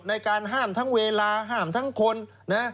ในการห้ามทั้งเวลาห้ามทั้งคนนะ